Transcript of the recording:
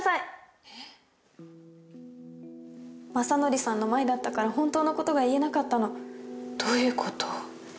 雅紀さんの前だったから本当のことが言えなかったのどういうこと？